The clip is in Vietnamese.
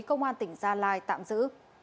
công an tỉnh gia lai tạm giữ